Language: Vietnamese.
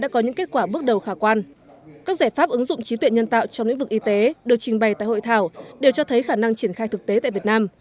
các giải pháp ứng dụng trí tuệ nhân tạo trong lĩnh vực y tế được trình bày tại hội thảo đều cho thấy khả năng triển khai thực tế tại việt nam